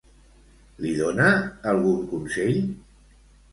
Li dóna algun consell?